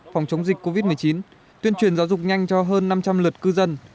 phòng chống dịch covid một mươi chín tuyên truyền giáo dục nhanh cho hơn năm trăm linh lượt cư dân